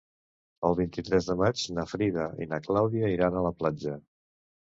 El vint-i-tres de maig na Frida i na Clàudia iran a la platja.